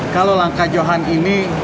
kalau langkah johan ini